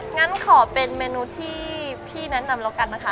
งั้นขอเป็นเมนูที่พี่แนะนำแล้วกันนะคะ